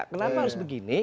kenapa harus begini